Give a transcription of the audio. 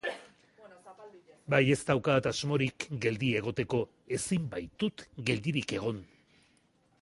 Bai, ez daukat asmorik geldi egoteko, ezin baitut geldirik egon.